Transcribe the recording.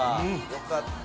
よかった